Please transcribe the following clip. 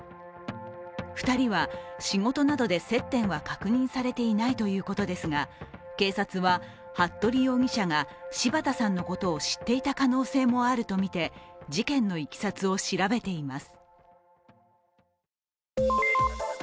２人は仕事などで接点は確認されていないということですが警察は、服部容疑者が柴田さんのことを知っていた可能性もあるとみて事件のいきさつを調べています。